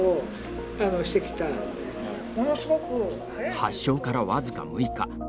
発症から僅か６日。